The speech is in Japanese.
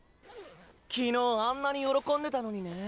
昨日あんなに喜んでたのにね。